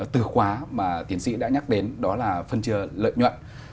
từ khóa mà tiến sĩ đã nhắc đến đó là phân chia lợi nhuận